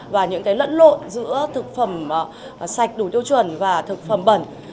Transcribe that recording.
và những lẫn lộn giữa thực phẩm sạch đủ tiêu chuẩn và thực phẩm bẩn